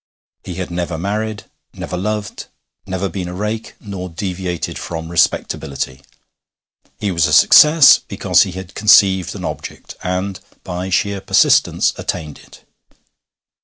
He had never married, never loved, never been a rake, nor deviated from respectability. He was a success because he had conceived an object, and by sheer persistence attained it.